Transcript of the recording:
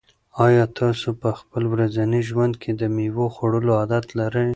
آیا تاسو په خپل ورځني ژوند کې د مېوو خوړلو عادت لرئ؟